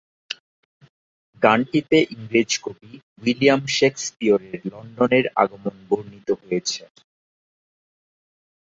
গানটিতে ইংরেজ কবি উইলিয়াম শেকসপিয়রের লন্ডনের আগমন বর্ণিত হয়েছে।